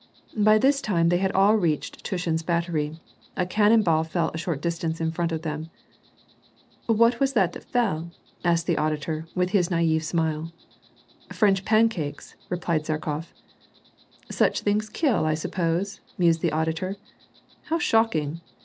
By this time they had all reached Tushin's battery ; a cannon ball feU a short distance in front of them. '^ What was that fell ?" asked the auditor, with his naive smile. "French pancakes," replied Zherkof. "Such things kill I suppose?" mused the auditor, "How shocking!"